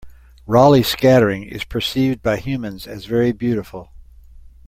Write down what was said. Raleigh scattering is perceived by humans as very beautiful.